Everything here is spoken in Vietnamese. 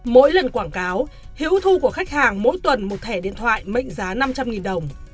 mỗi lần quảng cáo hiễu thu của khách hàng mỗi tuần một thẻ điện thoại mệnh giá năm trăm linh đồng